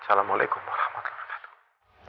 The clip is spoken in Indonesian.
assalamualaikum warahmatullahi wabarakatuh